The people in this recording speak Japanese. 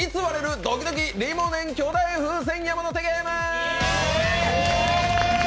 ドキドキリモネン巨大風船山手線ゲーム」